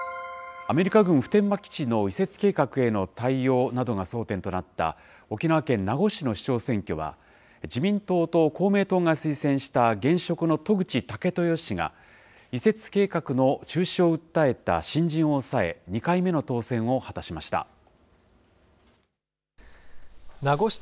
アメリカ軍普天間基地の移設計画への対応などが争点となった沖縄県名護市の市長選挙は、自民党と公明党が推薦した現職の渡具知武豊氏が、移設計画の中止を訴えた新人を抑え、２回目の当選を果たしました。